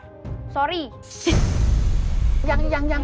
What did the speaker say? hai sorry yang yang apa sih